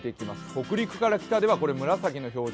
北陸から北では紫の表示、